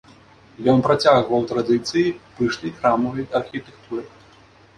Ён працягваў традыцыі пышнай храмавай архітэктуры.